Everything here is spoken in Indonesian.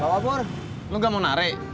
bapak pur lo gak mau narik